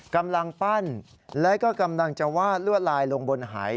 กำลังปั้นแล้วก็กำลังจะวาดลวดลายลงบนหาย